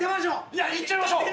いやいっちゃいましょう！